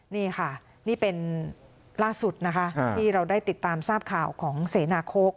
นี่ค่ะนี่เป็นล่าสุดนะคะที่เราได้ติดตามทราบข่าวของเสนาโค้ก